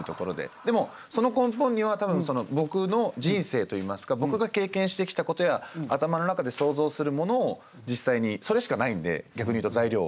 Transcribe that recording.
でもその根本には多分僕の人生といいますか僕が経験してきたことや頭の中で想像するものを実際にそれしかないんで逆に言うと材料は。